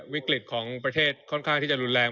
วิกฤตของประเทศค่อนข้างที่จะรุนแรง